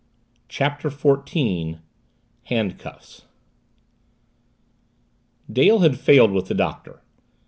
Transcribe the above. CHAPTER FOURTEEN HANDCUFFS Dale had failed with the Doctor.